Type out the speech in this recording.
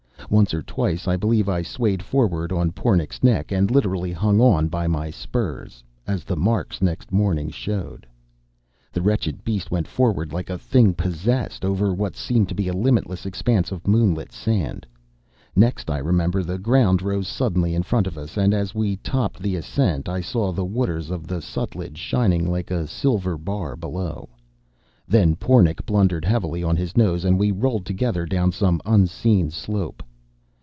Once or twice I believe, I swayed forward on Pornic's neck, and literally hung on by my spurs as the marks next morning showed. The wretched beast went forward like a thing possessed, over what seemed to be a limitless expanse of moonlit sand. Next, I remember, the ground rose suddenly in front of us, and as we topped the ascent I saw the waters of the Sutlej shining like a silver bar below. Then Pornic blundered heavily on his nose, and we rolled together down some unseen slope.